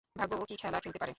ভাগ্য ও কি খেলা খেলতে পারে।